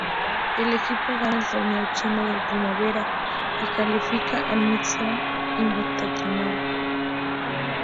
El equipo gana el torneo chino de primavera y califica al Mid-Season Invitational.